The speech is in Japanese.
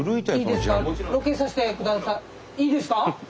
いいですか？